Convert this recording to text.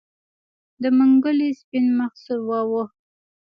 د منګلي سپين مخ سور واوښت.